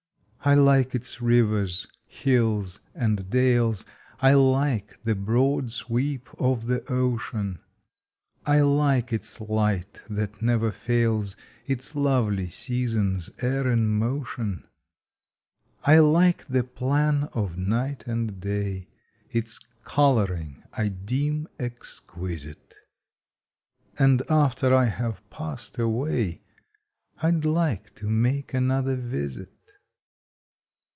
I like its Rivers, Hills, and Dales; I like the broad sweep of the Ocean. I like its Light that never fails, its lovely seasons e er in motion. July Twenty third I like the plan of Night and Day its coloring I deem exquisite, And after I have passed away I d like to make another visit.